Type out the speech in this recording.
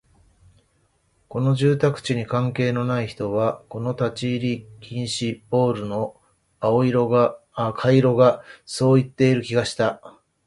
この住宅地に関係のない人はこの先立ち入り禁止、ポールの赤色がそう言っている気がした